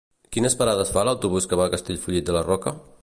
Quines parades fa l'autobús que va a Castellfollit de la Roca?